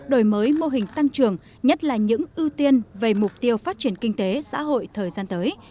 đổi mới mô hình tăng trưởng nhất là những ưu tiên về mục tiêu phát triển kinh tế xã hội thời gian tới